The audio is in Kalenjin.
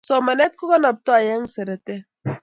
Somanet kokanaptoi eng seretet